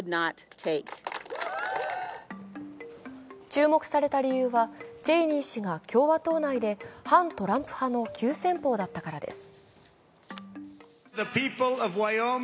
注目された理由は、チェイニー氏が共和党内で反トランプ派の急先鋒だったからです。